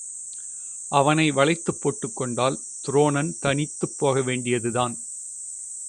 அவனை வளைத்துப் போட்டுக்கொண்டால் துரோணன் தணிந்துபோக வேண்டியதுதான்.